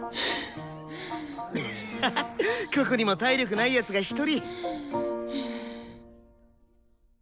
ハハここにも体力ない奴が１人。